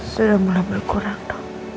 sudah mulai berkurang dok